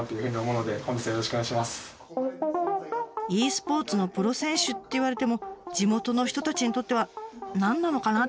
ｅスポーツのプロ選手って言われても地元の人たちにとっては何なのかな？